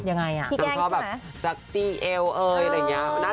นางชอบแกงนางชอบแบบดักตี้เอวน่ารักนะครับ